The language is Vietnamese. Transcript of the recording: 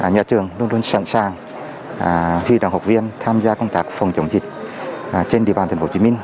nhà trường luôn luôn sẵn sàng khi đồng học viên tham gia công tác phòng chống dịch trên địa bàn thành phố hồ chí minh